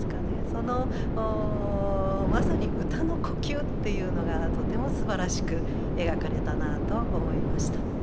そのまさに歌の呼吸っていうのがとてもすばらしく描かれたなと思いました。